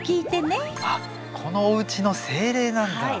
あっこのおうちの精霊なんだ。